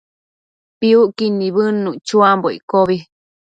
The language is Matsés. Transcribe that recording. Piucquid nibëdnuc chuambo iccobi